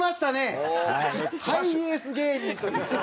ハイエース芸人という。